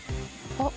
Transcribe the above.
あっ。